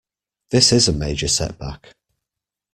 This is a major setback.